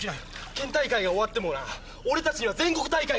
県大会が終わってもな俺たちには全国大会がある。